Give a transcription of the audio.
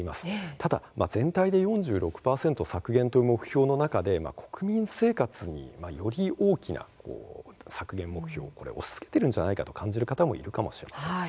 ただ全体で４６％削減という目標の中で、国民生活により大きな削減目標を押しつけているのではないかと感じている人も多いと思います。